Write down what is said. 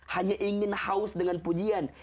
hanya ingin haus dengan pujian